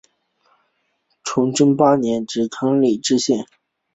崇祯八年任直隶嘉定县知县。